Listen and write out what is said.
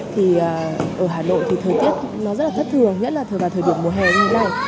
thì ở hà nội thì thời tiết nó rất là thất thường nhất là thường vào thời điểm mùa hè như thế này